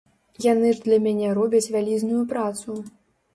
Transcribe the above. Яны ж для мяне робяць вялізную працу.